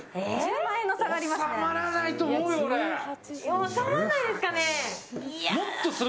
１０万円の差がありますね。